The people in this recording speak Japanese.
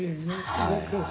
すごく。